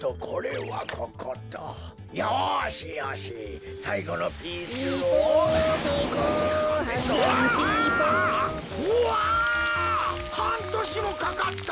はんとしもかかったのに。